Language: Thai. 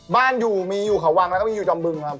บ้านอยู่มีอยู่เขาวังแล้วก็มีอยู่จอมบึงครับ